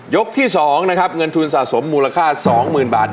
ที่๒นะครับเงินทุนสะสมมูลค่า๒๐๐๐บาท